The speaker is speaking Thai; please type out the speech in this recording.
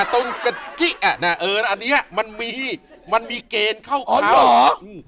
ตรงอันนี้ควรมันมีมันมีเกรนเข้าอ๋อไหม